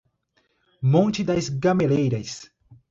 Monte das Gameleiras